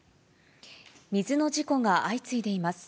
水の事故が相次いでいます。